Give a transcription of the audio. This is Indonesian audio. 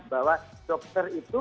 bahwa dokter itu